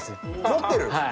持ってる？